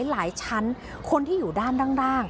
หลายชั้นคนที่อยู่ด้านล่าง